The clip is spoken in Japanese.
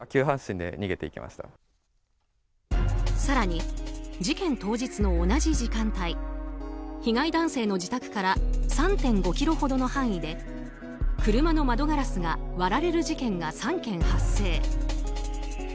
更に、事件当日の同じ時間帯被害男性の自宅から３．５ｋｍほどの範囲で車の窓ガラスが割られる事件が３件発生。